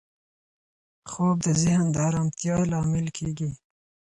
خوب د ذهن د ارامتیا لامل کېږي.